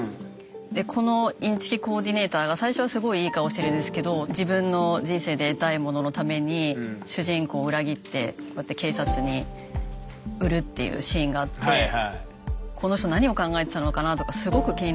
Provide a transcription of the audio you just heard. このインチキコーディネーターが最初はすごいいい顔してるんですけど自分の人生で得たいもののために主人公を裏切ってこうやって警察に売るっていうシーンがあって「この人何を考えてたのかな？」とかすごく気になっていて。